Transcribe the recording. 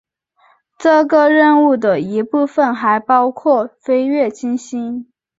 这个任务的一部分还包括飞越金星。